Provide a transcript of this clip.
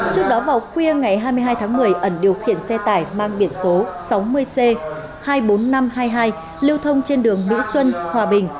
trước đó vào khuya ngày hai mươi hai tháng một mươi ẩn điều khiển xe tải mang biển số sáu mươi c hai mươi bốn nghìn năm trăm hai mươi hai lưu thông trên đường mỹ xuân hòa bình